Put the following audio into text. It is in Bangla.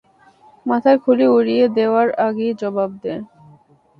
মাথার খুলি উড়িয়ে দেওয়ার আগেই জবাব দে।